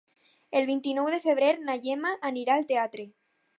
El vint-i-nou de febrer na Gemma anirà al teatre.